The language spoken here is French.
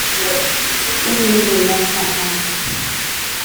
Il lui remet sa carte.